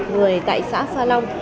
người tại xã pha long